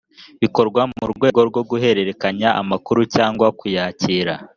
bikorwa mu rwego rwo guhererekanya amakuru cyangwa kuyakira